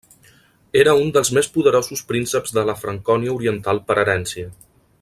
Era un dels més poderosos prínceps de la Francònia oriental per herència.